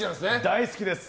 大好きです。